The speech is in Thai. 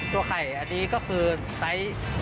ตัวไข่อันนี้ก็คือไซส์